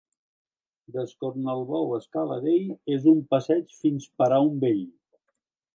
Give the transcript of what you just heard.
D'Escornalbou a Scala-Dei, és un passeig fins per a un vell.